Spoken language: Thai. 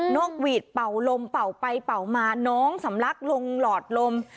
กหวีดเป่าลมเป่าไปเป่ามาน้องสำลักลงหลอดลม